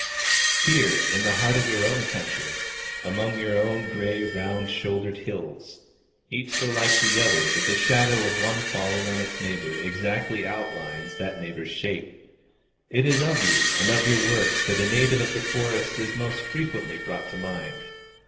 Here, in the heart of your own country, among your own grey round shouldered hills (each so like the other that the shadow of one falling on its neighbour exactly outlines that neighbour's shape), it is of you and of your works that a native of the Forest is most frequently brought in mind.